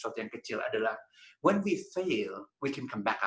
ketika kita gagal kita bisa kembali